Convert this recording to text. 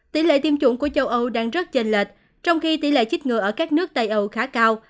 tỷ lệ tiêm chủng của châu âu đang rất chênh lệch trong khi tỷ lệ chích ngừa ở các nước tây âu khá cao